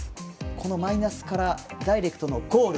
このマイナスからダイレクトのゴール。